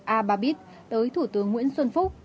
ababit tới thủ tướng nguyễn xuân phúc